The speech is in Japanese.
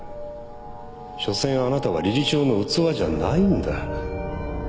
しょせんあなたは理事長の器じゃないんだ。